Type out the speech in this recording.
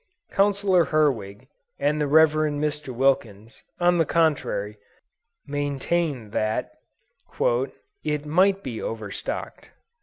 Counsellor Herwig, and the Rev. Mr. Wilkens, on the contrary, maintained that "it might be overstocked."